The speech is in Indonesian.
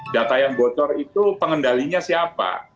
data yang bocor itu pengendalinya siapa